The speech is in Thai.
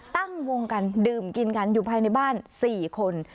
ตั้งวงกันดื่มกินกันอยู่ภายในบ้าน๔คน